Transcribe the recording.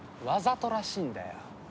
わざとらしいんだよ。